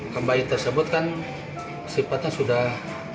kembali tersebut kan sifatnya sudah